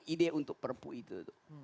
ide untuk perpu itu